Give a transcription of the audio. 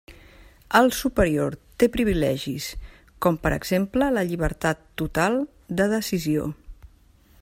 El superior té privilegis, com per exemple la llibertat total de decisió.